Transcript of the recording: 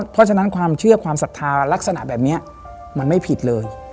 เพราะฉะนั้นความเชื่อความศรัทธาลักษณะแบบนี้มันไม่ผิดเลย